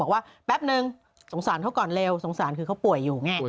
ว่าแป๊บนึงสงสารเขาก่อนเร็วสงสารคือเขาป่วยอยู่ไง